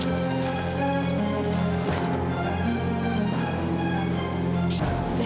gak en rah